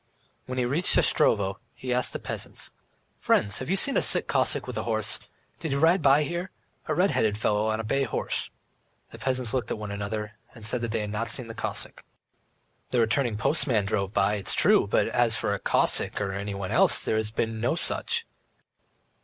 When he reached Shustrovo he asked the peasants: "Friends, have you seen a sick Cossack with a horse? Didn't he ride by here? A red headed fellow on a bay horse." The peasants looked at one another, and said they had not seen the Cossack. "The returning postman drove by, it's true, but as for a Cossack or anyone else, there has been no such."